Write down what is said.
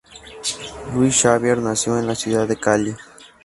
Luis Xavier nació en la ciudad de Cali.